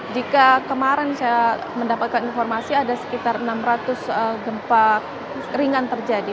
jika kemarin saya mendapatkan informasi ada sekitar enam ratus gempa ringan terjadi